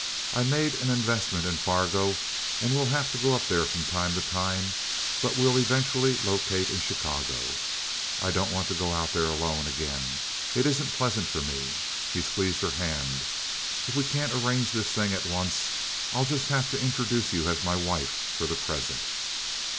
I made an investment in Fargo, and we'll have to go up there from time to time, but we'll eventually locate in Chicago. I don't want to go out there alone again. It isn't pleasant for me." He squeezed her hand. "If we can't arrange this thing at once I'll just have to introduce you as my wife for the present."